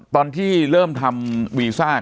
ตอนที่เริ่มทำวีซ่า